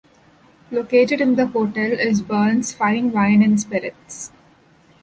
Located in the hotel is Bern's Fine Wine and Spirits.